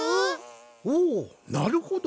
おおなるほど。